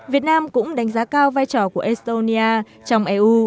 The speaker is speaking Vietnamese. việt nam cũng đánh giá cao vai trò của estonia trong eu